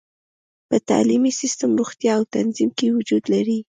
په تعلیمي سیستم، روغتیا او تنظیم کې وجود لري.